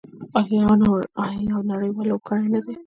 آیا یو نړیوال لوبغاړی نه دی؟